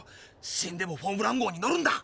死んでもフォン・ブラウン号に乗るんだ。